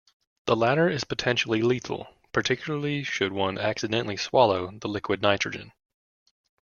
The latter is potentially lethal, particularly should one accidentally swallow the liquid nitrogen.